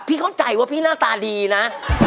เข้าใจว่าพี่หน้าตาดีนะ